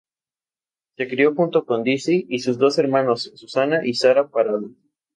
Se crio junto con Disi y sus dos hermanas Susana y Sara Parada.